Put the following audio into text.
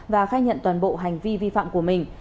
và khai nhận toàn bộ hành vi vi phạm của mình